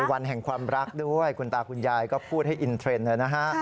วันแห่งความรักด้วยคุณตาคุณยายก็พูดให้อินเทรนด์นะฮะ